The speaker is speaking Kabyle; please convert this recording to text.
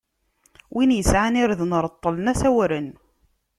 Win isɛan irden, reṭṭlen-as awren.